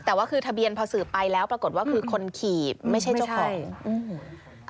แต่ว่าคือทะเบียนพอสืบไปแล้วปรากฏว่าคือคนขี่ไม่ใช่เจ้าของอืม